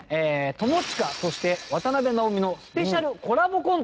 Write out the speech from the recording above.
友近そして渡辺直美のスペシャルコラボコント。